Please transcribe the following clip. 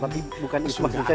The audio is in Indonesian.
tapi bukan itu maksud saya sek